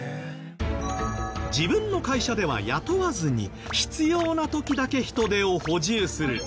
自分の会社では雇わずに必要な時だけ人手を補充する。